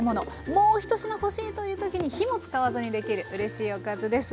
もう１品欲しいという時に火も使わずに出来るうれしいおかずです。